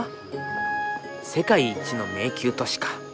世界一の迷宮都市か。